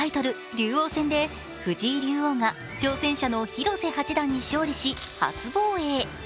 竜王戦で藤井竜王が挑戦者の広瀬八段に勝利し初防衛。